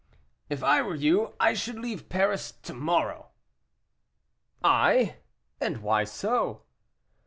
"If I were you, I should leave Paris to morrow." "I! and why so?"